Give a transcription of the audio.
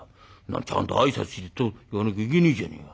ちゃんと挨拶し行かなきゃいけねえじゃねえか。